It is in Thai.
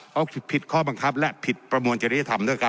เขาผิดข้อบังคับผิดประมวลเจรภรรยธรรม